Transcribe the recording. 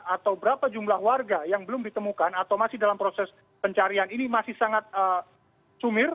atau berapa jumlah warga yang belum ditemukan atau masih dalam proses pencarian ini masih sangat sumir